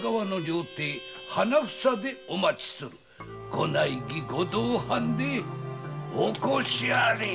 ご内儀同伴でお越しあれ。